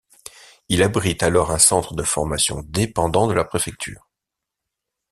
Il abrite alors un centre de formation dépendant de la préfecture.